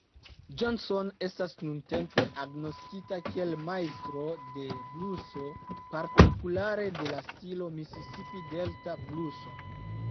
Johnson estas nuntempe agnoskita kiel majstro de bluso, partikulare de la stilo Misisipi-Delta bluso.